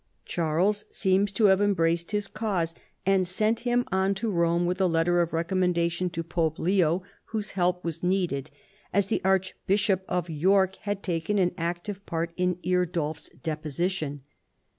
Charles seems to have embraced his cause and sent him on to Rome with a letter of recommendation to Pope Leo whose help was needed, as the Archbishop of York had taken an active part in Eardulf's deposition.